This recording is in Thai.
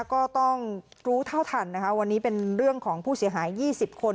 ก็ต้องรู้เท่าทันนะคะวันนี้เป็นเรื่องของผู้เสียหาย๒๐คน